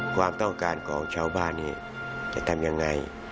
ความต้องการของชาวบ้านนี้จะทำยังไง